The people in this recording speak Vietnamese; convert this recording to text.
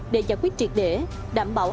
để giải quyết triệt để đảm bảo